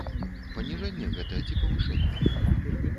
Паніжэнне гэта ці павышэнне?